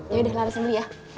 yaudah harus beli ya